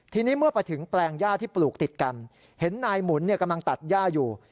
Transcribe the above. ทีนี้เมื่อไปถึงแปลงย่าที่ปลูกติดกันเห็นนายหมุนกำลังตัดย่าอยู่